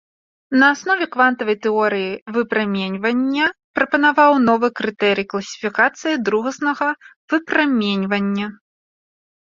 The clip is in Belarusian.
На аснове квантавай тэорыі выпраменьвання прапанаваў новы крытэрый класіфікацыі другаснага выпраменьвання.